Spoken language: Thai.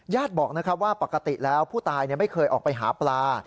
บอกว่าปกติแล้วผู้ตายไม่เคยออกไปหาปลา